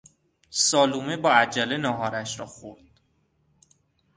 سالومه با عجله نهارش را خورد.